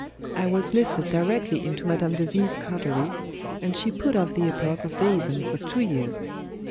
I was listed directly into Mme. de V o's coterie, and she put off the epoch of deism for two years.